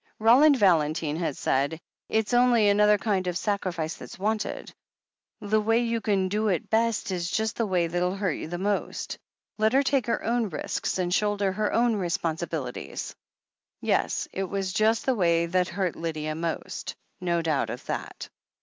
Roland Valentine had said : "It's only another kind of sacrifice that's wanted ... the way you can do it best is just the way that'll hurt you most. ... Let her take her own risks and shoulder her own responsi bilities." Yes — it was just the way that hurt Lydia most. No doubt of that.